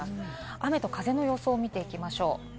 雨と風の予想を見ていきましょう。